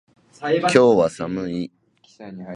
今日は寒い。